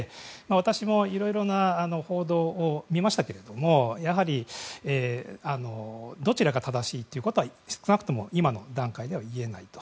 私もいろいろな報道を見ましたけどもやはりどちらが正しいということは少なくとも今の段階では言えないと。